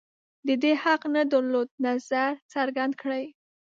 د دې حق نه درلود نظر څرګند کړي